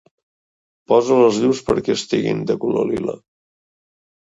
Posa les llums perquè estiguin de color lila.